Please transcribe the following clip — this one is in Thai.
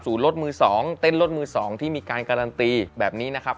รถมือ๒เต้นรถมือ๒ที่มีการการันตีแบบนี้นะครับ